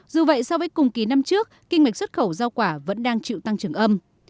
dù vậy so với cùng kỳ năm trước kinh mệnh xuất khẩu rau quả vẫn đang chịu tăng trưởng âm